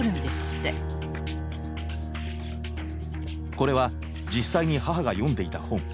これは実際に母が読んでいた本。